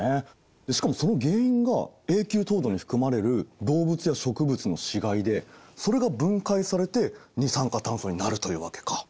しかもその原因が永久凍土に含まれる動物や植物の死骸でそれが分解されて二酸化炭素になるというわけか。